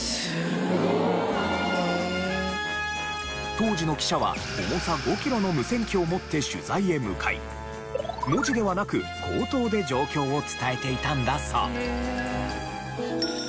当時の記者は重さ５キロの無線機を持って取材へ向かい文字ではなく口頭で状況を伝えていたんだそう。